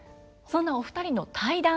そんなお二人の対談